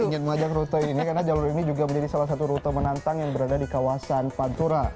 saya ingin mengajak rute ini karena jalur ini juga menjadi salah satu rute menantang yang berada di kawasan pantura